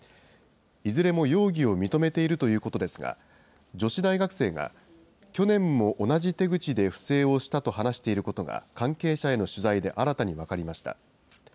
いずれも容疑を認めているということですが、女子大学生が去年も同じ手口で不正をしたと話していることが、関係者への取材で新たに分かりました。